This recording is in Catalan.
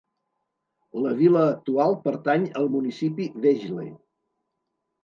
La vila actual pertany al municipi Vejle.